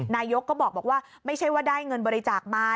นายกก็บอกว่าไม่ใช่ว่าได้เงินบริจาคมา